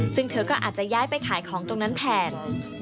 ซึ่งเธอก็อาจจะย้ายไปขายของตรงนั้นแทน